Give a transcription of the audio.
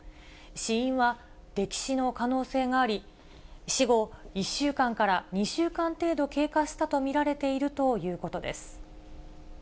死因は溺死の可能性があり、死後１週間から２週間程度経過したと見られているということです。